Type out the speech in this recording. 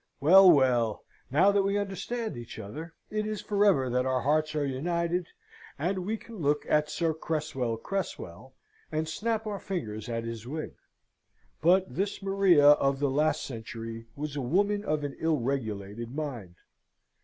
Well, well, now that we understand each other, it is for ever that our hearts are united, and we can look at Sir Cresswell Cresswell, and snap our fingers at his wig. But this Maria of the last century was a woman of an ill regulated mind.